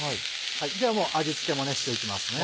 ではもう味付けもしていきますね。